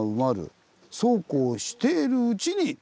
そうこうしているうちに！